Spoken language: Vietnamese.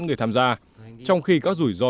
người tham gia trong khi các rủi ro